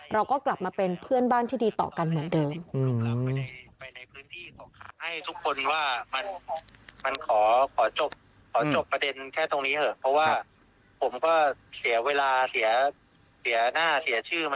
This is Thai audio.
เราก็กลับมาเป็นเพื่อนบ้านที่ดีต่อกันเหมือนเดิม